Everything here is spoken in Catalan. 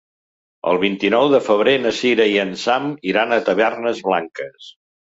El vint-i-nou de febrer na Cira i en Sam iran a Tavernes Blanques.